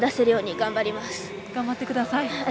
頑張ってください。